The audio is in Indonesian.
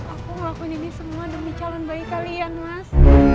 aku ngelakuin ini semua demi calon bayi kalian mas